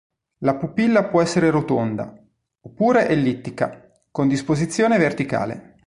La pupilla può essere rotonda, oppure ellittica, con disposizione verticale.